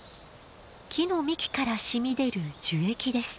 木の幹から染み出る樹液です。